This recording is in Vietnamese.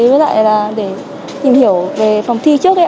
với lại là để tìm hiểu về phòng thi trước ấy